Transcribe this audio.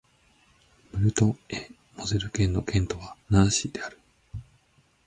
ムルト＝エ＝モゼル県の県都はナンシーである